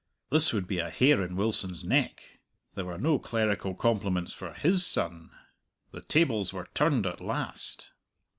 This would be a hair in Wilson's neck! There were no clerical compliments for his son! The tables were turned at last.